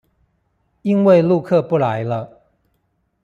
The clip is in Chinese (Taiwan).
因為陸客不來了